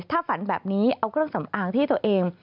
ถ้าฝันแบบนี้เอาเครื่องสำอางที่ตัวเอง